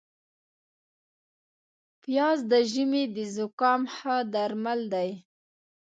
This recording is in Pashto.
پیاز د ژمي د زکام ښه درمل دي